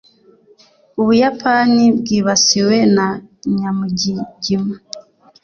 ubuyapani bwibasiwe na nyamugigima